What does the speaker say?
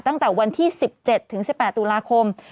ตั้งแต่วันที่๑๗ถึง๑๘ตุลาคม